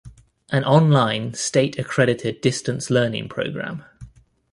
An online, state-accredited distance learning program.